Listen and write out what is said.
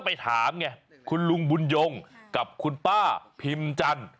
ไปถามไงคุณลุงบุญยงกับคุณป้าพิมจันทร์